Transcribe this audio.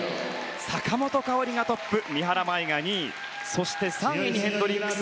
坂本花織がトップ三原舞依が２位そして、３位にヘンドリックス。